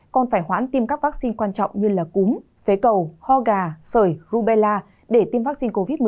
còn phải hoãn tiêm các vaccine quan trọng như là cúm phế cầu ho gà sởi rubella để tiêm vaccine covid một mươi chín